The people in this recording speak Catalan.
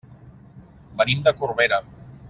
Venim de Corbera.